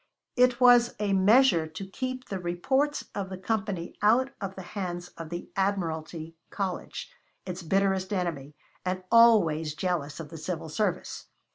It was a measure to keep the reports of the Company out of the hands of the Admiralty College, its bitterest enemy, and always jealous of the Civil Service.